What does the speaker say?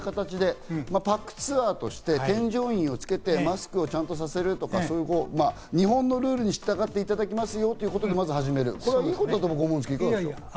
五郎さん、まずこういった形でパックツアーとして添乗員をつけて、マスクをちゃんとさせるとか、日本のルールに従っていただきますよということで始める、いいことだと思うんですけど。